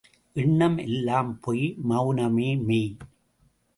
எண்ணம் எல்லாம் பொய் மெளனமே மெய்.